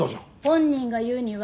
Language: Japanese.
本人が言うには。